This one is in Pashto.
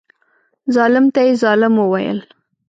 ظالم ته یې ظالم وویل.